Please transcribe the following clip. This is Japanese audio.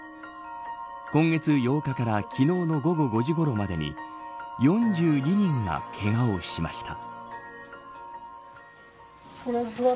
今月８日から昨日の午後５時ごろまでに４２人が、けがをしました。